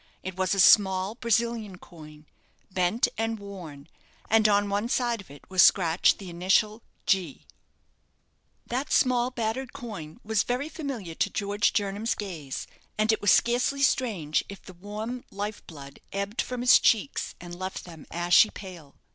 It was a small Brazilian coin, bent and worn, and on one side of it was scratched the initial "G." That small battered coin was very familiar to George Jernam's gaze, and it was scarcely strange if the warm life blood ebbed from his cheeks, and left them ashy pale.